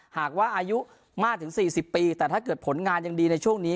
หากว่าอายุมากถึง๔๐ปีแต่ถ้าเกิดผลงานยังดีในช่วงนี้